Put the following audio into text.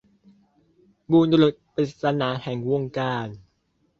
บุรุษปริศนาแห่งวงการ